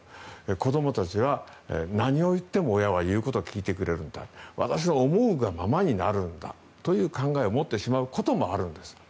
子どもたちが何を言っても親は言うことを聞いてくれるんだ私の思うがままになるんだという考えを持ってしまうこともあるんです。